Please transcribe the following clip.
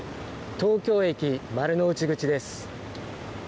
東京駅丸の内口です。